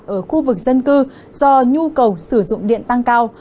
ở khu vực dân cư do nhu cầu sử dụng điện tăng cao